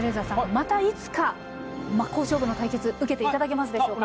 またいつか真っ向勝負の対決受けていただけますでしょうか？